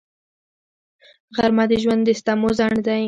غرمه د ژوند د ستمو ځنډ دی